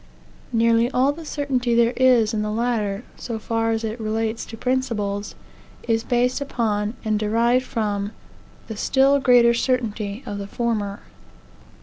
Nearly all the certainty there is in the latter, so far as it relates to principles, is based upon, and derived from, the still greater certainty of the former.